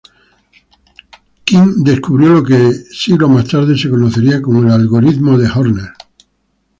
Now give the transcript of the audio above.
Qin descubrió lo que, siglos más tarde, se conocería como el algoritmo de Horner.